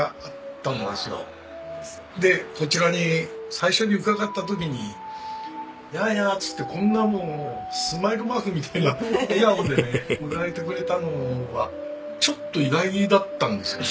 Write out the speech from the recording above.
でこちらに最初に伺った時に「やあやあ！」って言ってこんなもうスマイルマークみたいな笑顔で迎えてくれたのはちょっと意外だったんですよね。